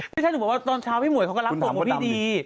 ไม่ใช่หนูบอกว่าตอนเช้าพี่หมูดก็รับสมบัติพี่ดี